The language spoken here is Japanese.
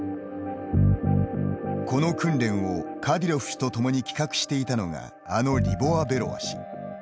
この訓練をカディロフ氏と共に企画していたのがあのリボワベロワ氏。